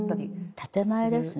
建て前ですね。